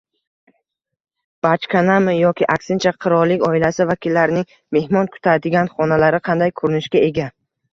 Bachkanami yoki aksincha: Qirollik oilasi vakillarining mehmon kutadigan xonalari qanday ko‘rinishga ega?